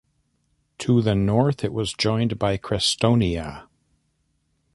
To the north it was joined by Crestonia.